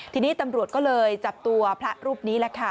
ทีนี้ตำรวจก็เลยจับตัวพระรูปนี้แหละค่ะ